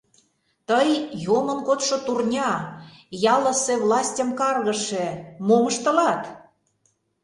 Тый... йомын кодшо турня... ялысе властьым каргыше... мом ыштылат?